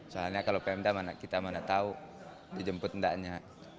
soalnya kalau pemda kita mana tahu dijemput tidaknya